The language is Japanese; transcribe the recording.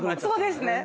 そうですね。